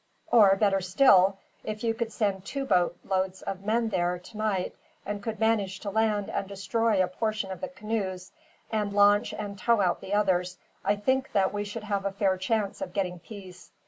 Or, better still, if you could send two boat loads of men there, tonight, and could manage to land and destroy a portion of the canoes, and launch and tow out the others, I think that we should have a fair chance of getting peace.